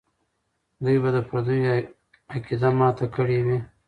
دوی به د پردیو عقیده ماته کړې وي.